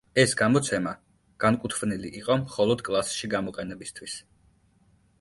ეს გამოცემა განკუთვნილი იყო მხოლოდ კლასში გამოყენებისთვის.